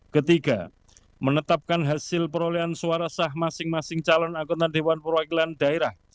ketiga menetapkan hasil perolehan suara sah masing masing calon anggota dewan perwakilan daerah